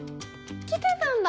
来てたんだ。